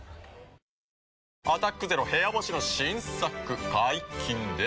「アタックＺＥＲＯ部屋干し」の新作解禁です。